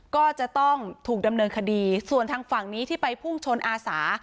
ก็จะต้องถูกดำเนินคดีส่วนทางฝั่งนี้ที่ไปพุ่งชนอาสา